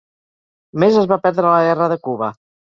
Més es va perdre a la guerra de Cuba.